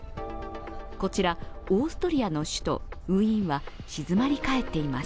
こちら、オーストリアの首都ウィーンは静まりかえっています。